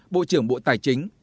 bộ trưởng bộ tài chính